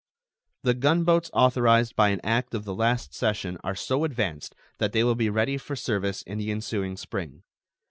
The gun boats authorized by an act of the last session are so advanced that they will be ready for service in the ensuing spring.